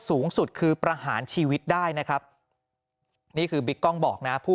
สูงสุดคือประหารชีวิตได้นะครับนี่คือบิ๊กกล้องบอกนะผู้